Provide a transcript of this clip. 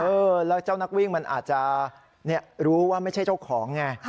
เออแล้วเจ้านักวิ่งมันอาจจะรู้ว่าไม่ใช่เจ้าของไง